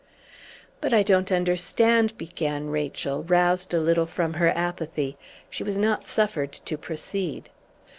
"But I don't understand," began Rachel, roused a little from her apathy. She was not suffered to proceed.